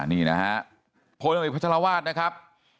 นี่นะฮะพลหัวเอกพจรวาสนะครับ